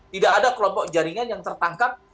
tidak ada kelompok jaringan yang tertangkap